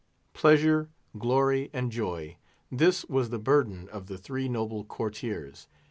Pleasure, Glory, and Joy—this was the burden of the three noble courtiers.